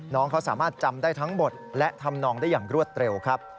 น้องเขาสามารถจำได้ทั้งหมดและทำนองได้อย่างรวดเร็วครับ